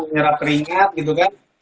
nyerap keringet gitu kan